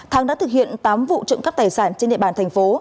thắng đã thực hiện tám vụ trộm cấp tài sản trên địa bàn thành phố